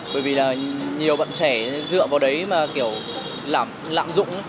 bởi vì là nhiều bạn trẻ dựa vào đấy mà kiểu lạm dụng